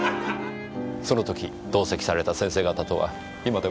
その時同席された先生方とは今でも？